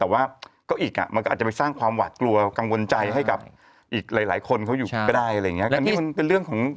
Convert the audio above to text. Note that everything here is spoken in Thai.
แต่ว่าก็อีกอ่ะมันก็อาจจะไปสร้างความหวาดกลัวกังวลใจให้กับอีกหลายหลายคนเขาอยู่ก็ได้อะไรอย่างเงี้